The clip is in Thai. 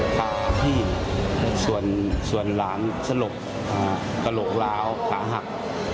ผักที่ส่วนหลานสลบกระโหลกล้าวขาหัก